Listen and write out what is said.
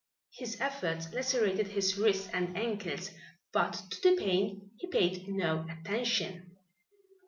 His efforts lacerated his wrists and ankles, but to the pain he paid no attention.